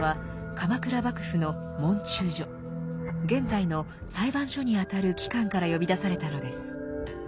現在の裁判所にあたる機関から呼び出されたのです。